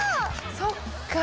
そっか！